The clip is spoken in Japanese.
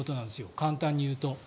簡単に言うと。